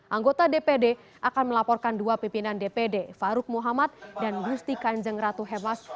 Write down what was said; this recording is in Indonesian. anggota dpd akan melaporkan dua pimpinan dpd faruk muhammad dan gusti kanjeng ratu hemas